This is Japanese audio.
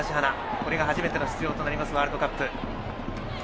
これが初めての出場となるワールドカップ。